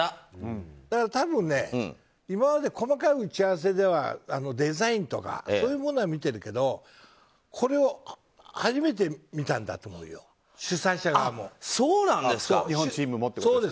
だから多分、今まで細かい打ち合わせではデザインとか、そういうものは見ているけどこれを初めて見たんだと思う日本チームもということですか。